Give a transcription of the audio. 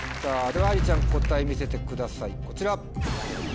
ではあいりちゃん答え見せてくださいこちら。